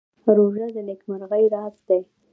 روژه د نېکمرغۍ راز دی.